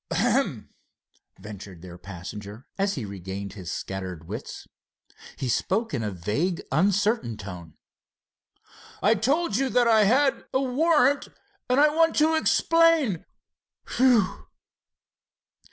"Ahem," ventured their passenger as he regained his scattered wits. He spoke in a vague, uncertain tone. "I told you that I had a warrant and I want to explain—whew!"